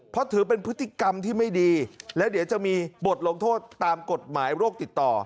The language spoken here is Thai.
เพราะถือเป็นพฤติกรรมที่ไม่ดีและเดี๋ยวจะมีบทลงโทษตามกฎหมายโรคติดต่อ